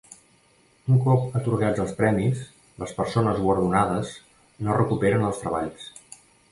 Un cop atorgats els Premis, les persones guardonades no recuperen els treballs.